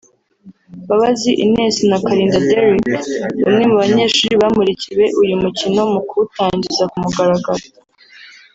Mbabazi Ines na Kalinda Derick bamwe mu banyeshuri bamurikiwe uyu mukino mu kuwutangiza kumugaragaro